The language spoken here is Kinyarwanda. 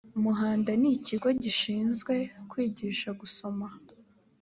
muhanda n ikigo gishinzwe kwigisha gusoma